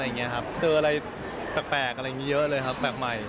เจออะไรแปลกเยอะเลยครับแปลกใหม่